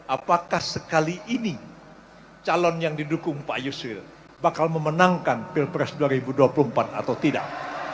apakah sekali ini calon yang didukung pak yusril bakal memenangkan pilpres dua ribu dua puluh empat atau tidak